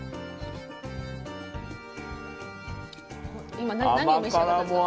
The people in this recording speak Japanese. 今何を召し上がったんですか？